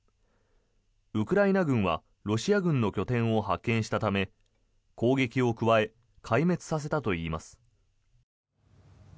ウクライナ軍はロシア軍の拠点を発見したため攻撃を加え壊滅させたといいます。